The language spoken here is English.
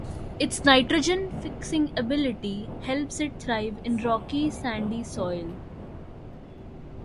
Its nitrogen-fixing ability helps it thrive in rocky, sandy soil.